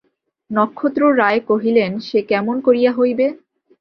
নক্ষত্ররায় কহিলেন, সে কেমন করিয়া হইবে?